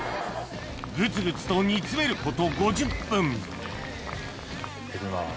グツグツと煮詰めること５０分行きます。